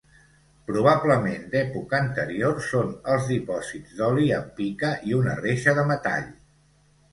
Probablement d'època anterior són els dipòsits d'oli, amb pica i una reixa de metall.